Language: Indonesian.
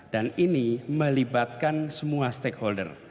dan ini melibatkan semua stakeholder